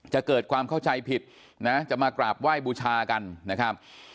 จะเกิดความเข้าใจผิดนะจะมากราบไหว้บูชากันนะครับ